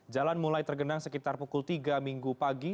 jalan mulai tergenang sekitar pukul tiga minggu pagi